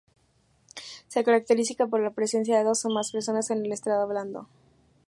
Se caracteriza por la presencia de dos o más personas en el estrado hablando.